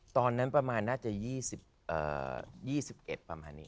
ตอนนั้นประมาณน่าจะ๒๑ประมาณนี้